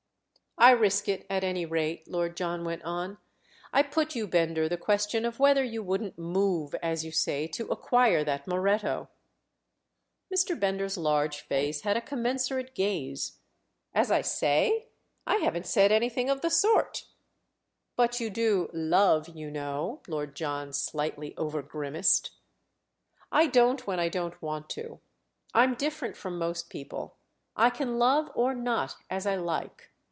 "I risk it, at any rate," Lord John went on—"I put you, Bender, the question of whether you wouldn't Move,' as you say, to acquire that Moretto." Mr. Bender's large face had a commensurate gaze. "As I say? I haven't said anything of the sort!" "But you do 'love' you know," Lord John slightly overgrimaced. "I don't when I don't want to. I'm different from most people—I can love or not as I like.